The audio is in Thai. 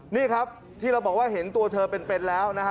นี่ครับที่เราบอกว่าเห็นตัวเธอเป็นแล้วนะฮะ